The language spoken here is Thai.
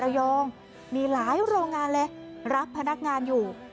ระยองมีหลายโรงงานเลยรับพนักงานอยู่